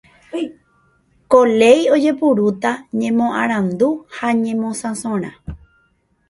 Ko léi ojepurúta ñemoarandu ha ñemosãsorã.